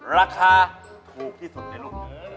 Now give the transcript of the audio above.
ราคาถูกที่สุดในรุ่น